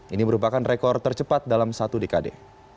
ini merupakan rekor tercepat dalam satu dekade